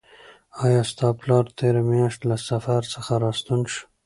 آیا ستا پلار تېره میاشت له سفر څخه راستون شو؟